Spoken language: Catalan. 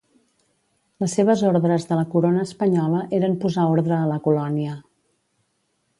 Les seves ordres de la Corona espanyola eren posar ordre a la colònia.